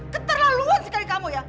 keterlaluan sekali kamu ya